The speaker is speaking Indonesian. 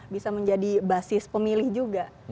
bisa menjadi basis pemilih juga